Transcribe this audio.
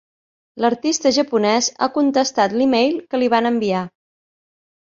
L'artista japonès ha contestat l'email que li van enviar.